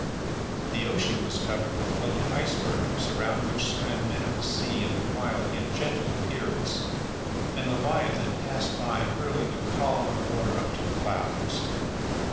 The ocean was covered with floating ice bergs around which swam men of the sea of a wild yet gentle appearance. And Leviathan passed by hurling a column of water up to the clouds.